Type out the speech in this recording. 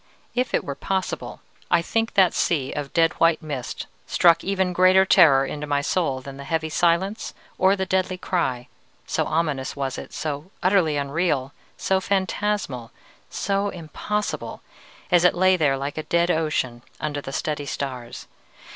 If it were possible, I think that sea of dead white mist struck even greater terror into my soul than the heavy silence or the deadly cry so ominous was it, so utterly unreal, so phantasmal, so impossible, as it lay there like a dead ocean under the steady stars.